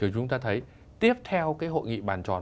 chúng ta thấy tiếp theo cái hội nghị bàn tròn